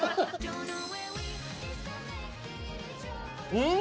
うん！